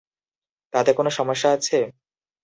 তাতে কোনো সমস্যা আছে?